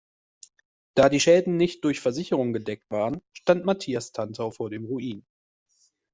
Da die Schäden nicht durch Versicherungen gedeckt waren, stand Mathias Tantau vor dem Ruin.